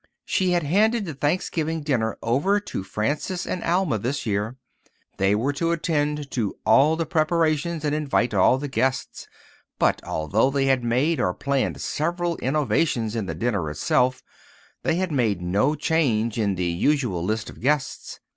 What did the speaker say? She had handed the Thanksgiving dinner over to Frances and Alma this year. They were to attend to all the preparations and invite all the guests. But although they had made or planned several innovations in the dinner itself, they had made no change in the usual list of guests.